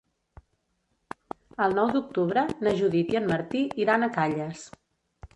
El nou d'octubre na Judit i en Martí iran a Calles.